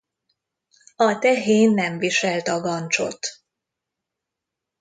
A tehén nem viselt agancsot.